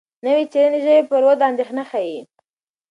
نوې څېړنې د ژبې پر وده اندېښنه ښيي.